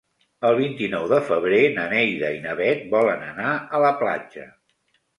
El vint-i-nou de febrer na Neida i na Bet volen anar a la platja.